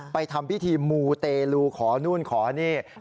ทำพิธีมูเตลูขอนู่นขอนี่